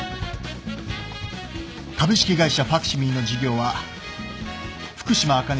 株式会社ファクシミリの事業は福島あかね